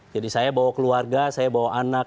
jadi saya bawa keluarga saya bawa anak